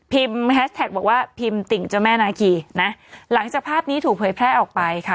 แฮชแท็กบอกว่าพิมพ์ติ่งเจ้าแม่นาคีนะหลังจากภาพนี้ถูกเผยแพร่ออกไปค่ะ